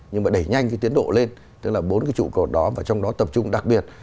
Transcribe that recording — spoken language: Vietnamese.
nhưng mà đẩy nhanh cái tiến độ lên tức là bốn cái trụ cột đó và trong đó tập trung đặc biệt